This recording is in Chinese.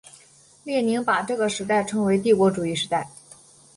列宁把这个时代称为帝国主义时代。